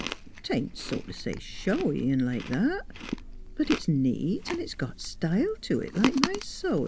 'Tain't so t' say showy, 'n' like that; but it's neat an' it's got style to it, like my sewin'.